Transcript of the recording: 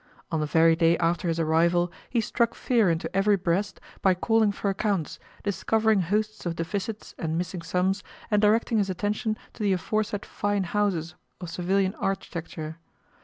On the very day after his arrival he struck fear into every breast by calling for accounts, discovering hosts of deficits and missing sums, and directing his attention to the aforesaid fine houses of civilian architecture.